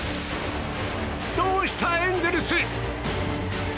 どうした、エンゼルス？